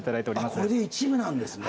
これで一部なんですね。